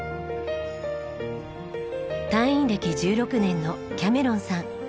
隊員歴１６年のキャメロンさん。